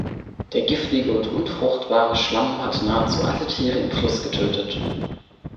Der giftige und unfruchtbare Schlamm hat nahezu alle Tiere im Fluss getötet.